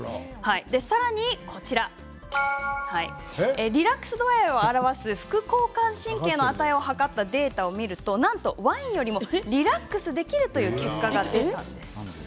さらにリラックス度合いを表す副交感神経の値を測ったデータを見るとなんとワインよりもリラックスできるという結果が出たんです。